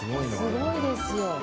すごいですよ。